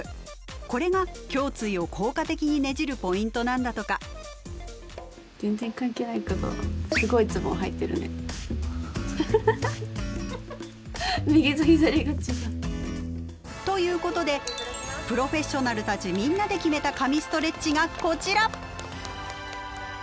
これが胸椎を効果的にねじるポイントなんだとか。ということでプロフェッショナルたちみんなで決めた「神ストレッチ」がこちら！